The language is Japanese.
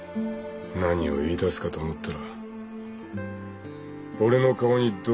何を言いだすかと思ったら俺の顔に泥を塗るってわけか。